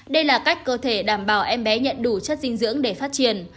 đây là cách cơ thể đảm bảo em bé nhận đủ chất dinh dưỡng để phát triển